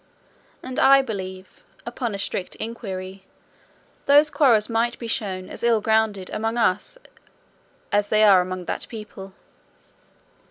And I believe, upon a strict inquiry, those quarrels might be shown as ill grounded among us as they are among that people.